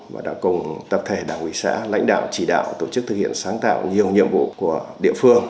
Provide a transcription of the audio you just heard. và đã cùng tập thể đảng quỷ xã lãnh đạo chỉ đạo tổ chức thực hiện sáng tạo